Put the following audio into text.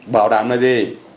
bảo đảm là gì